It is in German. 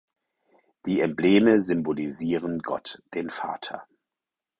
Die Embleme symbolisieren Gott den Vater.